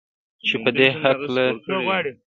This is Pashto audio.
چې پدې هکله